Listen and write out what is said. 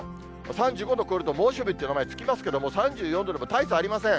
３５度を超えると、猛暑日っていう名前がつきますけれども、３４度でも大差ありません。